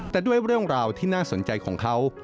แต่ด้วยเรื่องราวที่น่าสนใจของเขา